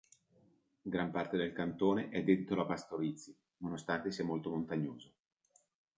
Gran parte del cantone è dedito alla pastorizia, nonostante sia molto montagnoso.